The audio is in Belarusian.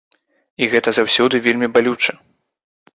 І гэта заўсёды вельмі балюча.